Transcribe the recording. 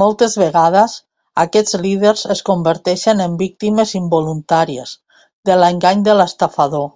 Moltes vegades, aquests líders es converteixen en víctimes involuntàries de l'engany de l'estafador.